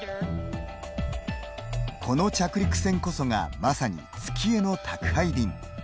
この着陸船こそがまさに月への宅配便。